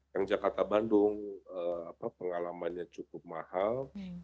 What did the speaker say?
yang jakarta bandung pengalamannya cukup mahal